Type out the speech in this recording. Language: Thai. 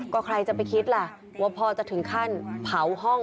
ก็ใครจะไปคิดล่ะว่าพ่อจะถึงขั้นเผาห้อง